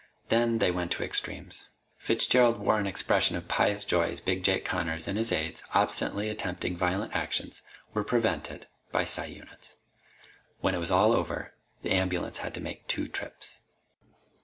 Then they went to extremes. Fitzgerald wore an expression of pious joy as Big Jake Connors and his aides, obstinately attempting violent actions, were prevented by psi units. When it was all over, the ambulance had to make two trips.